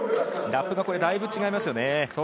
ラップがだいぶ違いますね。